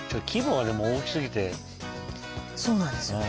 そうなんですよね。